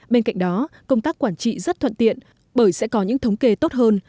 bên cạnh đó công tác quản trị rất thuận tiện bởi sẽ có những thống kê tốt hơn